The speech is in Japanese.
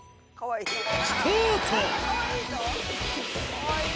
かわいい。